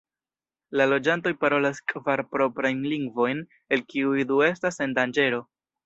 La loĝantoj parolas kvar proprajn lingvojn, el kiuj du estas en danĝero.